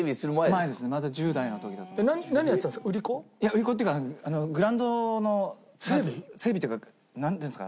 いや売り子っていうかグラウンドの整備っていうかなんていうんですか？